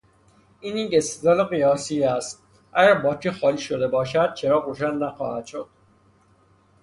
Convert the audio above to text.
این یک استدلال قیاسی است: اگر باطری خالی شده باشد چراغ روشن نخواهد شد.